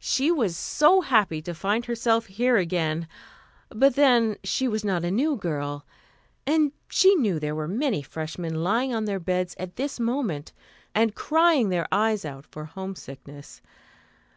She was so happy to find herself here again; but then she was not a new girl, and she knew there were many freshmen lying on their beds at this moment and crying their eyes out for homesickness.